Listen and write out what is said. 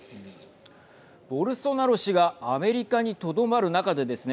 ボルソナロ氏がアメリカにとどまる中でですね